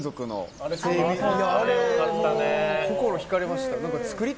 あれに心引かれました。